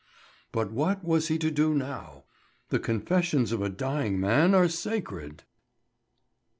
But what was he to do now? The confessions of a dying man are sacred.